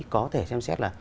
có thể xem xét là